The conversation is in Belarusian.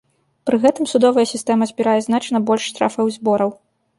Пры гэтым судовая сістэма збірае значна больш штрафаў і збораў.